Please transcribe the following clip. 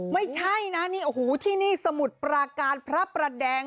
ไม่ใช่นะนี่โอ้โหที่นี่สมุทรปราการพระประแดง